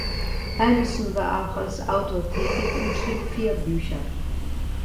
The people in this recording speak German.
Anderson war auch als Autor tätig und schrieb vier Bücher.